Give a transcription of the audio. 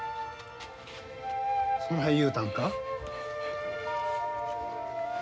そない言うたんか？